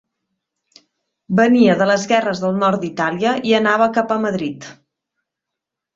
Venia de les guerres del nord d'Itàlia i anava cap a Madrid.